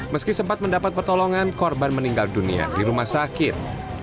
meski sempat mendapat pertolongan korban meninggal dunia di rumah sakit